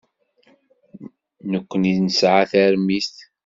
Nekkni nesɛa tarmit.